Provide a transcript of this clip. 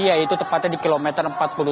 yaitu tepatnya di kilometer empat puluh tujuh